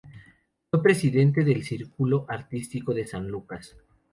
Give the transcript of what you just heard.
Fue presidente del Círculo Artístico de San Lucas.